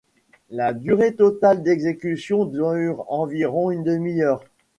La durée totale d'exécution dure environ une demi-heure.